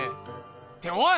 っておい！